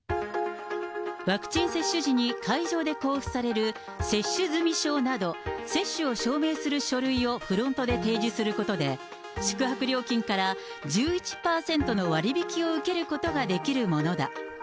ワクチン接種時に会場で交付される接種済み証など、接種を証明する書類をフロントで提示することで、宿泊料金から１１％の割引を受けることができるものだ。